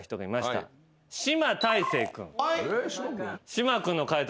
島君の解答